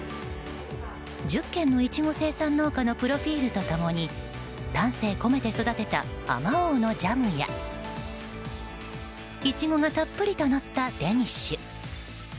１０軒のイチゴ生産農家のプロフィールと共に丹精込めて育てたあまおうのジャムやイチゴがたっぷりとのったデニッシュ。